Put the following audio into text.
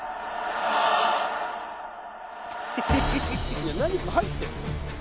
いや何か入ってるの？